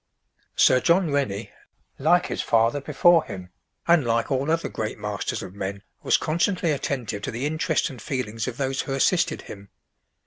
Sir John Rennie, like his father before him, and like all other great masters of men, was constantly attentive to the interests and feelings of those who assisted him.